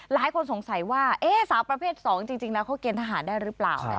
หลายคนสงสัยว่าสาวประเภท๒จริงแล้วเขาเกณฑหารได้หรือเปล่า